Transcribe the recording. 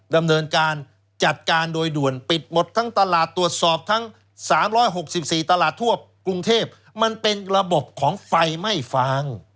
ดำเนินการจัดการโดยด่วนปิดหมดทั้งตลาดตรวจสอบทั้ง๓๖๔ตลาดทั่วกรุงเทพมันเป็นระบบของไฟไม่ฟาง